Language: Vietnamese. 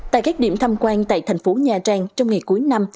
tại các điểm tham quan tại thành phố nha trang trong ngày cuối năm